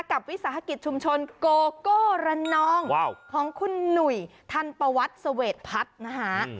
วิสาหกิจชุมชนโกโก้ระนองของคุณหนุ่ยทันประวัติเสวดพัฒน์นะฮะ